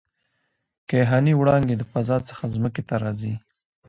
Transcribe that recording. کیهاني وړانګې د فضا څخه ځمکې ته راځي.